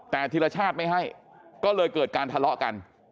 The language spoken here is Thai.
แต่ธิรชาติไม่ให้ก็เลยเกิดการทะเลาะกัน